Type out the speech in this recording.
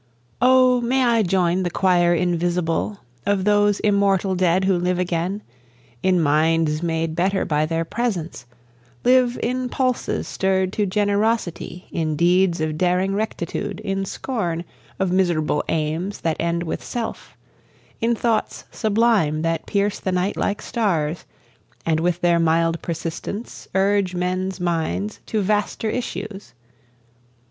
O, may I join the choir invisible Of those immortal dead who live again In minds made better by their presence; live In pulses stirred to generosity, In deeds of daring rectitude, in scorn Of miserable aims that end with self, In thoughts sublime that pierce the night like stars, And with their mild persistence urge men's minds To vaster issues.